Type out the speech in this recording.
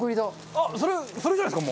あっそれじゃないですか？